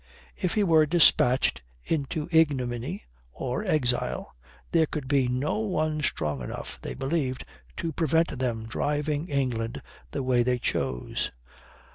If he were dispatched into ignominy or exile, there could be no one strong enough, they believed, to prevent them driving England the way they chose.